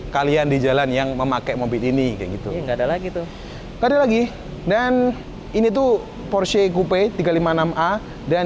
kalian di jalan yang memakai mobil ini kayak gitu enggak ada lagi tuh gak ada lagi dan ini tuh porschegupey tiga ratus lima puluh enam a dan